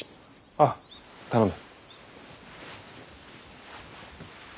あぁ頼む。